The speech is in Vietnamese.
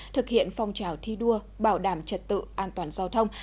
thực hiện phong trào thi đua bảo đảm trật tự an toàn giao thông